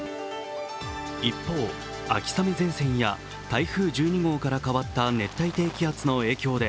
一方、秋雨前線や台風１２号から変わった熱帯低気圧の影響で